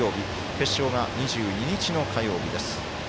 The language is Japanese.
決勝が２２日の火曜日です。